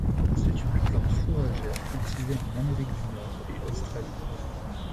C'est une plante fourragère cultivée en Amérique du Nord et Australie.